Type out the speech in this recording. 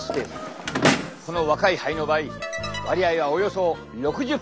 この若い肺の場合割合はおよそ６０％。